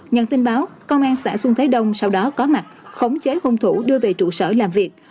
nhận tin báo công an xã xuân thế đông sau đó có mặt khống chế hung thủ đưa về trụ sở làm việc